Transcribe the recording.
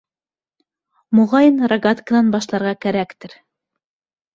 Моғайын, рогатканан башларға кәрәктер.